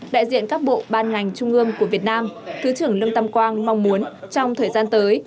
đại diện các bộ ban ngành trung ương của việt nam thứ trưởng lương tâm quang mong muốn trong thời gian tới